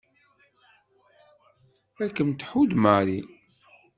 Ad kem-tḥudd Mary.